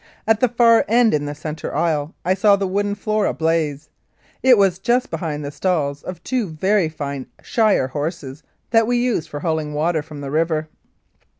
At the far end in the centre aisle I saw the wooden floor ablaze. It was just behind the stalls of two very fine shire horses that we used for hauling water from the river.